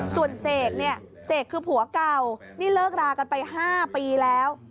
ส่วนเสกเนี่ยเสกคือผัวเก่านี่เลิกรากันไป๕ปีแล้ว